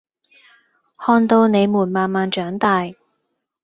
看到你們慢慢長大